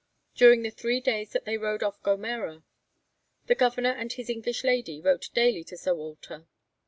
During the three days that they rode off Gomera, the Governor and his English lady wrote daily to Sir Walter.